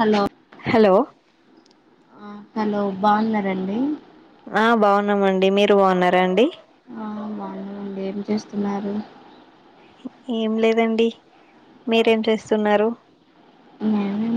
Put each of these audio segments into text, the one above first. Hello hello ఆ hello బావున్నారా అండి ఆ బావున్నామండి మీరు బావున్నారా అండి ఆ బావున్నా ఏమ్ చేస్తున్నారు ఏం లేదండి మీరేం చేస్తున్నారు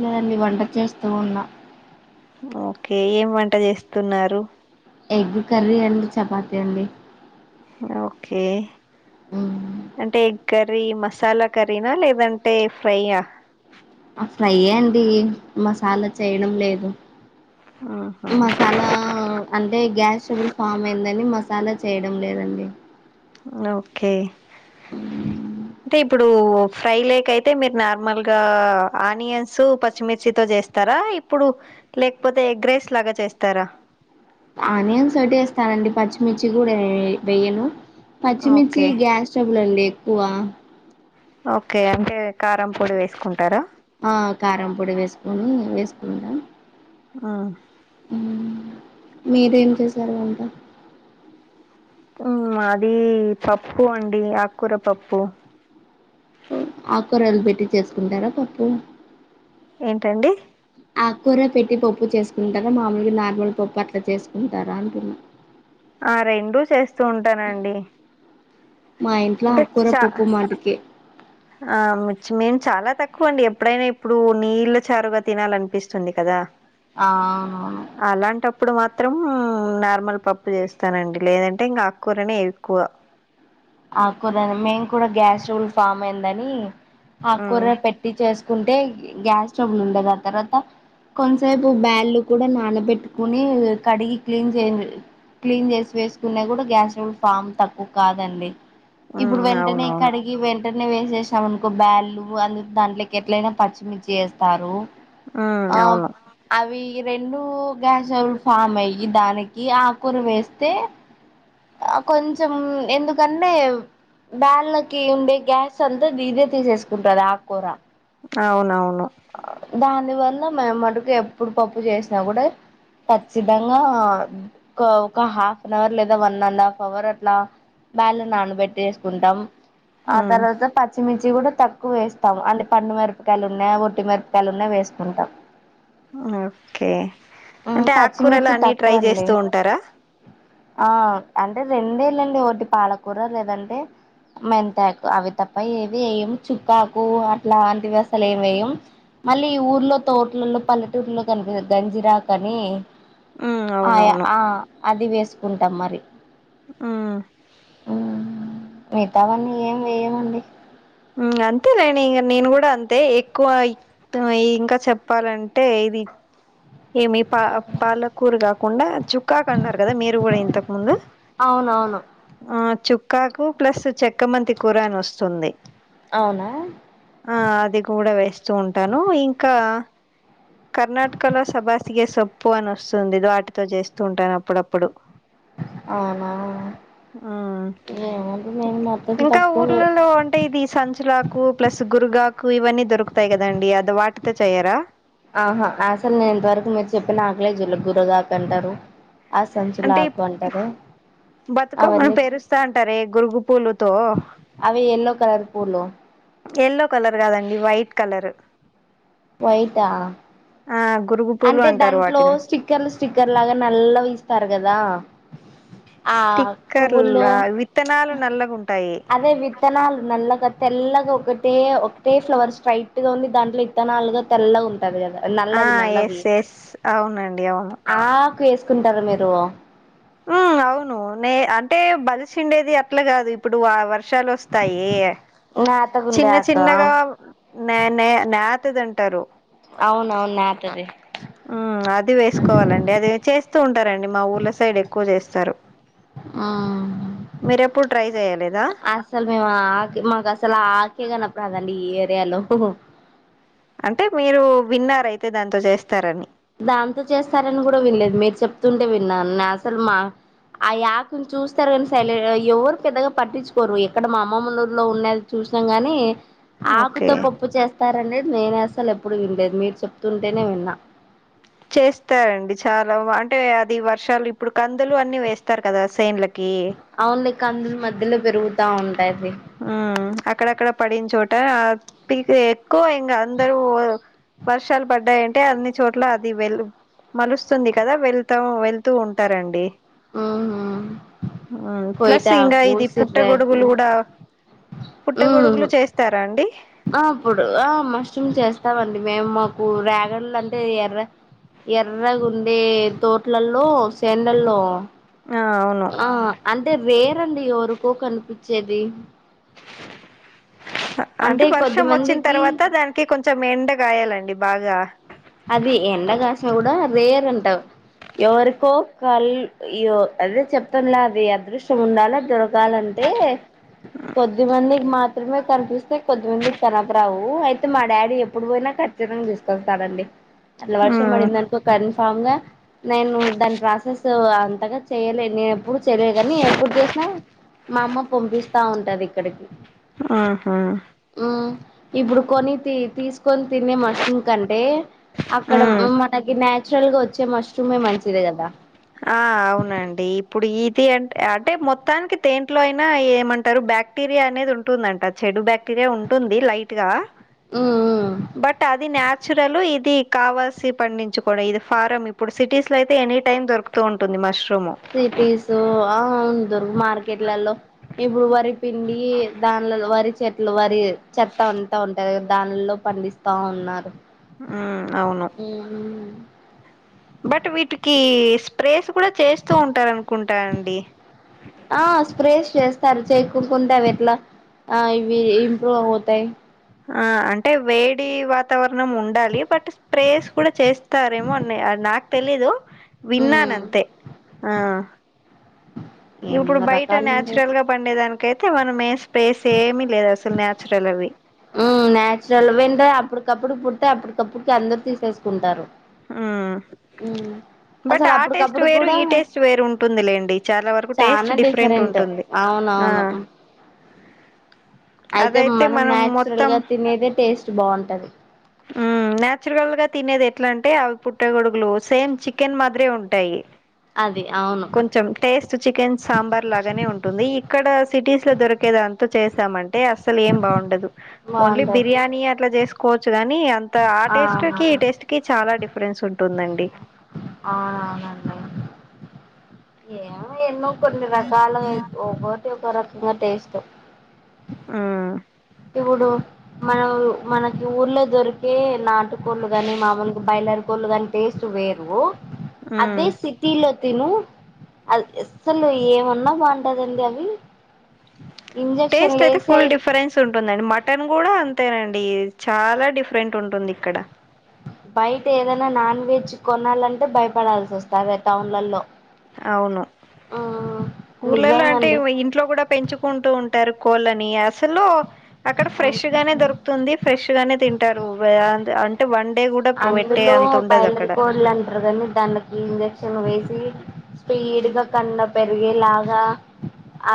నేనా అండి వంట చేస్తూ ఉన్నా ఓకే ఏం వంట చేస్తున్నారు ఎగ్ కర్రీ అండ్ చపాతీ అండి ఓకే మ్ అంటే ఎగ్ కర్రీ మసాలా కర్రీనా లేదంటే ఫ్రైయా ఫ్రై ఎ అండి మసాలా చేయడం లేదు ఆహా మసాలా అంటే గ్యాస్ ట్రబుల్ ఫామ్ అయిందని మసాలా చేయడం లేదండి ఓకే అంటే ఇప్పుడు ఫ్రై లేక్ అయితే మీరు నార్మల్ గా ఆనియన్స్ పచ్చిమిర్చితో చేస్త స్తారా ఇప్పుడు లేకపోతే ఎగ్రైస్ లాగా చేస్తారా ఆనియన్స్ ఒకటే వేస్తానండి పచ్చిమిర్చి కూడా వేయ్యను పచ్చిమిర్చి ఓకే గ్యాస్ ట్రబుల్ అండి ఎక్కువ ఓకే అంటే కారం పొడి వేసుకుంటారా కారం పొడి వేసుకొని వేసుకుందాం ఆ మీరు ఏం చేశారు వంట మాది పప్పు అండి ఆకూర పప్పు ఆకురాలు పెట్టి చేసుకుంటారా పప్పు ఏన్ టండీ ఆకూర పెట్టి పప్పు చేసుకుంటారా మామూలుగా నార్మల్ పప్పు అట్లా చేసుకుంటారా అంటున్నా ఆ రెండు చేస్తూ ఉంటానండి అంటే చా అందుకే ఆ మేము చాలా తక్కువ అండి ఎప్పుడైనా ఇప్పుడు నీళ్ళ చారుగా తినాలనిపిస్తుంది కదా ఆ ఆవును అలాంటప్పుడు మాత్రం నార్మల్ పప్పు చేస్తానండి లేదంటే ఇంకా ఆకూరనే ఎక్కువ ఆకూరని మేము కూడా గ్యాస్ ట్రబుల్ ఫామ్ అయిందని మ్మ్ ఆకూర పెట్ టి చేసుకుంటే గ్యాస్ ట్రబుల్ ఉండదు ఆ తర్వాత కొంతసేపు బ్యాల్లు కూడా నానబెట్టుకుని కడిగి క్లీన్ చేయ క్లీన్ చేసి వేసుకునే కూడా గ్యాస్ ట్రబుల్ ఫామ్ తక్కువ కాదండి ఇప్పుడు మ్మ్ వెంటనే అవునవును కడిగి ఈ వెంటనే వేసేసాం అనుకో బ్యాళ్ళు అందు దాంట్లోకి ఎట్లయినా పచ్చిమిర్చి వేస్తారు మ్మ్ అవును ఆ అవి రెండు గ్యాస్ ట్రబుల్ ఫామ్ అయి దానికి ఆకూర వేస్తే ఆ కొంచెం ఎందు సర్లే వేళ్ళకి ఉండే గ్యాస్ అంతా దీదే తీసేసుకుంటది ఆక్కూర అవునవును దాని వల్ల మేమటుకు ఎప్పుడు పప్పు చేసినా కూడా ఖచ్చితంగా ఒక ఒక హాఫ్ అన్ అవర్ లేదా వన్ అండ్ హాఫ్ అవర్ అట్లా బేల నానపెట్టేసుకుంటాం ఆ మ్మ్ తర్వాత పచ్చిమిర్చి కూడా తక్కువ వేస్తాం అంటే పండు మిరపకాయలు ఉన్నాయి ట్టి మిరపయకాయ్లున్నా వేసుకుంటాం ఓకే అంటే ఆక్కూరలు పచ్చిమిర్చి అన్ని ట్రై తక్కువ అండి చేస్తూ ఉంటారా ఆ అంటే రెండేనండి ఒకటి పాలకూర లేదంటే మెంతాకు అవి తప్ప ఏది ఎయ్యం చుక్కాకు అట్లాంటి అసలు ఏమ్ ఎయ్యం మళ్ళీ ఈ ఊర్లో తోటలలో పల్లెటూళ్లో కనిపి గంజిరాకని మ్మ్ ఆయ అవునవును ఆ అది వేసుకుంటాం మరి మ్ మిగతావన్నీ ఏం వేయమండి అంతేలేండి ఇంగ నేను కూడా అంతే ఎక్కువ త్తమయ్ ఇంకా చెప్పాలంటే ఇది ఏమి పా పాలకూర కాకుండా చు క్కాకు అన్నారు కదా మీరు కూడా ఇంతకు ముందు అవునవును ఆ చుక్కాకు ప్లస్ చెక్కమంతి కూర అని వస్తుంది అవునా ఆ అది కూడా వేస్తూ ఉంటాను ఇంకా కర్ణాటకలో సబాసిగ సొప్పు అని వస్తుంది వాటితో చేస్తూ ఉంటాను అప్పుడప్పుడు అవునా ఆ ఏమండి నేను మొత్తం ఇంకా తక్కువ ఊరుల్లలో అంటే ఇది సంచులాకు ప్లస్ గురగాకు ఇవన్నీ దొరుకుతాయి కదండీ అది వాటితో చేయరా ఆహా అసలు నేను ఇంతవరకు మీరు చెప్పిన ఆకులే జులే గురగాకు అంటారు ఆ సంచుల అంటే ఆకు అంటారే బతుకమ్మను అవన్నీ పెరుస్తా అంటారే గురుగు పూలుతో అవి ఎల్లో కలర్ పూలు ఎల్లో కలర్ కాదండి వైట్ కలరు వైటా ఆ గురుగు పూలు అంటే అంటారు దాంట్లో వాటిని స్టిక్కర్లు స్టిక్కర్ లాగా నల్లవిస్తారు కదా ఆ స్టిక్కర్ల పువ్వుల్లో విత్తనాలు నల్లగుంటాయి అదే వి త్తనాలు నల్లగా తెల్లగా ఒకటే ఒకటే ఫ్లవర్ స్ట్రైట్ గా ఉంది దాంట్లో విత్తనాలుగా తెల్లగ ఉంటాది కదా ఆ నల్లవి నల్లవి ఎస్ ఎస్ అవునండి అవును ఆకు వేసుకుంటారు మీరు హ్మ్ అవును అవునే అంటే బలిసి ఉండేది అట్లా కాదు ఇప్పుడు వర్షాలు వస్తాయి నా చిన్న చిన్నగా న నే నేతదింటారు అవునవును నేతది ఆ అది వేసుకోవాలండి అది చేస్తూ ఉంటారండి మా ఊర్ల సైడ్ ఎక్కువ చేస్తారు మీరు ఎప్పుడు ట్రై చెయలేదా అసలు మేమా ఆకే మాకు అసలు ఆకే కనపడదండి ఈ ఏరియాలో అంటే మీరు విన్నారయితే దాంతో చేస్తారని దాంతో చేస్తారని కూడా వినలేదు మీరు చెప్తుంటే విన్నాను నే అసలు మా ఆ యాకుని చూస్తారు కానీ సై ఎవరు పెద్దగా పట్టించుకోరు ఎక్కడ మా అమ్మమ్మోళ్ళ ఊరులో ఉన్నది చూసినాం గానీ ఓకే ఆకుతో పప్పు చేస్తారనేేది నేను అసలు ఎప్పుడు వినలేదు మీరు చెప్తుంటేనే విన్నా చేస్తారండి చాలా అంటే అది వర్షాలు ఇప్పుడు కందులు అన్నీ వేస్తారు కదా సేన్లకి అవునులే కందుల మధ్యలో పెరుగుతా ఉంటాయి అవి ఆ అక్కడక్కడ పడిన చోట ఎక్కువ ఇంగ అందరూ వర్షాలు పడ్డాయంటే అన్ని చోట్ల అది వెళ్ మలుస్తుంది కదా వెళ్తా వెళ్తూ ఉంటారండి ఉహు ప్లస్ ఇంగ కోయిటాకు ఇది పుట్ట సిర్రాకు గొడుగులు కూడా పుట్టగొడుగులు చేస్తారా అండి ఆ అప్పుడు ఆ మష్రూమ్స్ ఏస్తామండి మేము మాకు రేగడ్లు అంటే ఎర్ర ఎర్రగుండే తోట్లలో సెండ్లల్లో ఆ అవును ఆ అంటే రేర్ అండి ఎవరికో కనిపిచ్చేది అంటే వర్షం వచ్చిన తర్వాత దాన్ కి కొంచెం ఎండ కాయాలండి బాగా అది ఎండ కాసిన కూడా రేర్ అంటా ఎవరికో కల్ యొ అదే చెప్తాంలే అది అదృష్ట్యం ఉండాలే దొరకాలం టే కొద్ది మందికి మాత్రమే కనిపిస్తే కొద్దిమంది కనపడవు అయితే మా డాడీ ఎప్పుడు పోయినా ఖచ్చితంగా తీసుకొస్తాడండి అట్ల ఆ వర్షం అడిందనుకో కన్ఫమ్గా నేను దాని ప్రాసెస్సు అంతగా చెయలే నేను ఎప్పుడు చెయలేదు కానీ ఎప్పుడు చేసినా మా అమ్మ పంపిస్తా ఉంటది ఇక్కడికి ఆహా మ్ ఇప్పుడు కొని తి తీసుకొని తినే మష్రూమ్ కంటే అక్కడ ఆ మనకి నచురల్ గా వచ్చే మష్రూమ్ే మంచిది కదా ఆ అవునండి ఇప్పుడు ఇది అం అంటే మొత్తానికి దెంట్లో అయినా ఏమంటారు బ్యాక్ బాక్టీరియా అనేది ఉంటుందంట చెడు బ్యాక్టీరియా ఉంటుంది లైట్ గా మ్మ్ మ్మ్ బట్ అది న్యాచురల్ ఇది కావాల్సి పండించుకోవడం ఇది ఫారం ఇప్పుడు సిటీస్ లో అయితే ఎనీ టైమ్ దొరుకుతూ ఉంటుంది మష్రూమ్ సిటీసు ఆ అవ్ దోర్ మార్కెట్లలో ఇప్పుడు వరి పిండి దాన్ లలో వరి చె ట్లు వరి చెత్త అంత ఉంటాది కదా దానిలో పండిస్తా ఉన్నారు మ్ అవును మ్ బట్ వీటికి స్ప్రేస్ కూడా చేస్తూ ఉంటారు అనుకుంటా అండి ఆ స్ప్రేస్ చేస్తారు చేకోకుండ అవి ఎట్లా ఆ ఇవి ఇంప్రూవ్ అవుతాయి ఆ అంటే వేడి వా వాతావరణం ఉండాలి బట్ స్ప్రేస్ కూడా చేస్తారేమో అని నాకు తెలీదు మ్మ్ విన్నానంతే ఆ ఇప్పుడు ఎన్నో బయట రకాలు ఉంటాయి నన్చురల్ గా పండే దానికైతే మనం ఏం స్పేస్ ఏమీ లేదు అసలు నచురల్ అవి మ్ నాచురల్ వెంటే అప్పటికప్పుడుకి పుడితే అప్పటికప్పుటికి అందరు తీసేసుకుంటారు ఉమ్ మ్ బట్ అసలు ఆ టేస్ట్ అప్పటికప్పుడు వేరు కూడా ఈ టేస్ట్ వేరు ఉంటుంది లేండి చాలా వరకు టేస్ట్ డిఫరెంట్ ఉంటుంది ఆ అవునవును అయితే అదైతే మనం మొత్తం నేచ్రెల్గా తినేది టేస్ట్ బాంటది ఆ నాచురల్గా తినేది ఎట్లా అంటే అవి పుట్ట గొడుగులు సేమ్ చికెన్ మాదిరే ఉంటాయి అది అవును కొంచెం టేస్ట్ చికెన్ సాంబార్ లాగానే ఉంటుంది ఇక్కడ సిటీస్లో దొరికేదాంతో చేశామంటే అసలేం బాగుండదు ఓన్లీ బాగుంటది బిర్యానీ అట్లా చేసుకోవచ్చు కానీ అ త ఆ టేస్ట్కి ఈ టేస్ట్కి చాలా డిఫరెన్స్ ఉంటుందండి ఆ అవునండి ఏమో ఎన్నో కొన్ని రకాలై ఒక్కొటి ఒకోరకంగా టేస్ట్ ఆ ఇప్పుడు మన మనకి ఊర్లో దొర్ టే నాటు కోళ్ళు కాని మామూలు బైలర్ కోళ్ళు కాని టేస్ట్ వేరు ఉమ్ అదే సిటీలో తిను అ అస్సలు ఏమన్నా బాగుంటదండి అవి టేస్ట్ ఇంజక్షన్లు అయితే ఫుల్ వేసాయి డిఫరెన్స్ ఉంటుందండి మటన్ కూడా అంతేనండి చాలా డిఫరెంట్ ఉంటుంది ఇక్కడ బయట ఏదైనా నాన్వెజ్ కొనాలంటే భయపడాల్సి వస్తుంది అదే టౌన్లలో అవును ఊర్లలో అంటే నిజంగండి ఇవి ఇ ఇంట్లో కూడా పెంచుకుంటూ ఉంటారు కోళ్ళని అసలు అక్కడ ఫ్రెష్ గానే దొరుకు ంది ఫ్రెష్ గానే తింటారు అంటే వన్ డే కూడా పెట్టే అందులో అంత ఉండదు అక్కడ బాయిలర్కొల్లు అంటరు కానీ దానికి ఇంజక్షన్ వేసి స్పీడ్గా కండ పెరిగేలాగా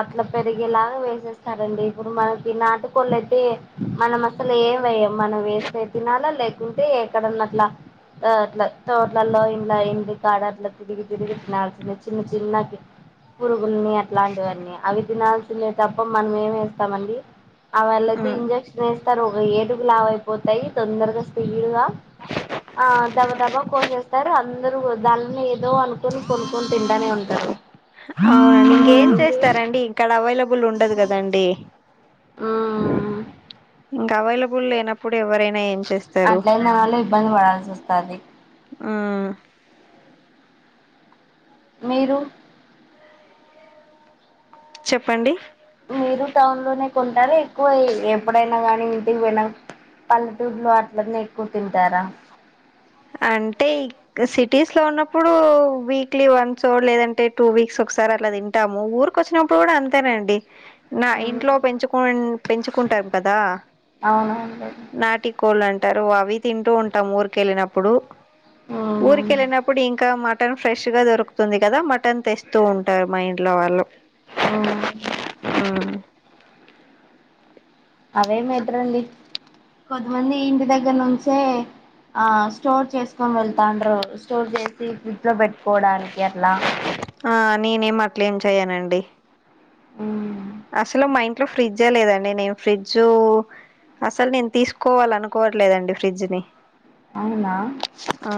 అట్లా పెరిగేలాగా వేసేస్తారండి ఇప్పుడు మనకి నాటుకోడ్లైతే మనం అసలు ఏవేయం మనం వేస్తే తినాలా లేకుంటే ఎక్కడ అట్లా అట్లా తోట్లలో ఇంల ఇండి కాడ అట్లా తిరిగి తిరిగి తినాల్సిందే చిన్న చిన్నకి పురుగులని అలాంటివన్నీ అవి తినాల్సిందేతప్ప మనం ఏమైస్తామండి ఆ వాళ్ళయితే ఉమ్, ఇంజక్షన్ వేస్తారు ఒక ఏడుగు లావయిపోతాయి తొందరగా స్పీడ్గా ఆ దబదబా కోసేస్తారు అందరుూ దానిని ఏదో అనుకుొని కొనుక్కొని తింటనే ఉంటారు అవునండి ఇంకేం అవునండి. చేస్తారండి ఇక్కడా అవైలబుల్ ఉండదు కదండి ఆ ఇంకా అవైలబుల్ లేనప్పుడు ఎవరైనా ఏం చేస్తారు అట్లయిన వాళ్ళు ఇబ్బంది పడాల్సి వస్తది ఆ మీరు చెప్పండి మీరు టౌన్లోనే కొంటారా ఎక్కువ ఎప్పుడైనా గానీ ఇంటికి పోయినా పల్లెటూరులో అట్లన్న ఎక్కువ తింటారా అంటే సిటీస్లో ఉన్నప్పుడు వీక్లీ ఓన్సో లేదంటే టూ వీక్స్ ఒకసారి అలా తింటాము ఊరు కొచ్చినప్పుడు కూడా అంతేనండి నా ఇంట్లో పెంచుకు పెంచుకుంటాం కదా అవునండి నాటి కోళ్ళు అంటారు అవి తింటూ ఉంటాం ఊరికెళ్ళినప్పుడు మ్మ్ ఉరికెళ్ళినపుడు ఇంకా మా మటన్ ఫ్రెష్గా దొరుకుతుంది కదా మటన్ తెస్తూ ఉంటారు మా ఇంట్లో వాళ్ళు ఆ మ్మ్. అవే మెడ్రండి కొద్దిమంది ఇంటి దగ్గర నుంచే ఆ స్టోర్ చేసుకొని వెళ్తాండ్ర స్టోర్ చేసి ఫ్రిడ్జ్ లో పెట్టుకోవడానికి అట్లా ఆ నేనేమి అట్లే ఏం చెయ్యనండి ఆ అసలు మా ఇంట్లో ఫ్రిడ్జ లేదండి నేను ఫ్రిడ్జ్ అసలు నేను తీసుకోవాల అనుకోవట్లేదండి ఫ్రిడ్జ్ ని అవునా ఆ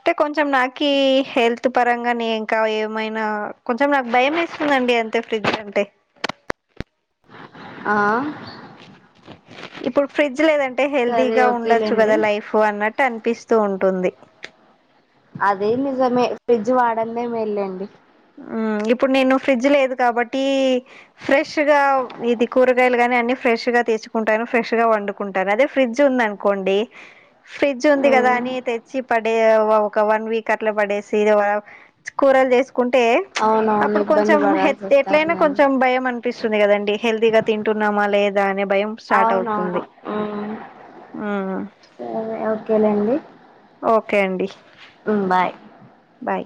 అంటే కొంచెం నాకీ హెల్త్ పరంగా ని ఇంకా ఏమైనా కొంచెం నాకు భయం ఎస్తుందండి అ ఫ్రిడ్జ్ అంటే ఆ ఇప్పుడు ఫ్రిడ్జ్ లేదంటే సరే హెల్దీగా ఉండొచ్చు ఓకేలేండి కదా లైఫ్ పో అన్నట్టు అనిపిస్తూ ఉంటుంది అదే నిజమే ఫ్రిడ్జ్ వాడందే మెల్లెండి ఆ ఇప్పుడు నేను ఫ్రిడ్జ్ లేదు కాబట్టి ఫ్రెష్ కరెక్ట్ గా ఇది కూరగాయలు గాని అన్ని ఫ్రెష్ గా తేచుకుంటాను ఫ్రెష్ గా వండుకుంటాను అదే ఫ్రిడ్జ్ ఉంది అనుకోండి ఫ్రిడ్జ్ ఉంది కదా అని తెచ్చి పడే ఒక వన్ వీక్ అట్లా పడే సి సీదవ కూరలు చేసుకుంటే అవునవును అప్పుడు ఇబ్బంది కొంచెం పడాల్సి వస్తాది ఎట్లయినా మరి కొంచెం భయం అనిపిస్తుంది కదండి హెల్దీగా తింటున్నామా లేదా అనే భయం స్టార్ట్ అవుతుంది అవునవును ఆ ఉ ఓకే లేండి ఓకే అండి ఉమ్మ్ బాయ్ బాయ్